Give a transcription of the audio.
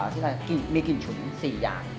ที่อะไรมีกลิ่นฉุน๔อย่าง